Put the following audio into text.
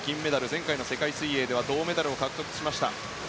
前回の世界水泳では銅メダルを獲得しました。